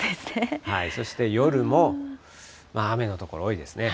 そして夜も雨の所、多いですね。